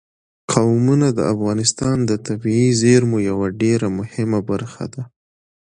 قومونه د افغانستان د طبیعي زیرمو یوه ډېره مهمه برخه ده.